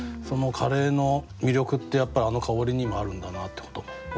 カレーの魅力ってやっぱりあの香りにもあるんだなってことも思ったり。